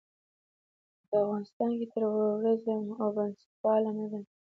که په افغانستان کې تروريزم او بنسټپالنه ده.